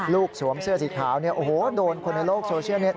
ลูกสวมเสื้อสีขาวโอ้โฮโดนคนในโลกโซเชียลเน็ต